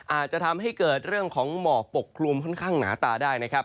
อาจจะทำให้เกิดเรื่องของหมอกปกคลุมค่อนข้างหนาตาได้นะครับ